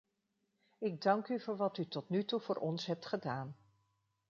Ik dank u voor wat u tot nu toe voor ons hebt gedaan.